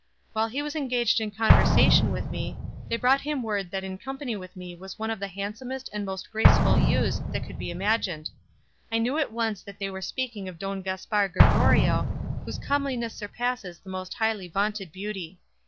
While he was engaged in conversation with me, they brought him word that in company with me was one of the handsomest and most graceful youths that could be imagined. I knew at once that they were speaking of Don Gaspar Gregorio, whose comeliness surpasses the most highly vaunted beauty.